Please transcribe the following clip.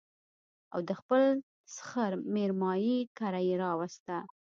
او د خپل سخر مېرمايي کره يې راوسته